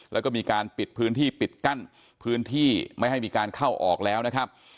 แล้วก็มีการปิดพื้นที่ปิดกั้นพื้นที่ไม่ให้มีการเข้าออกแล้วนะครับ